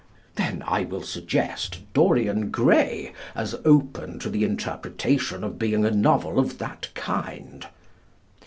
Then I will suggest "Dorian Gray" as open to the interpretation of being a novel of that kind.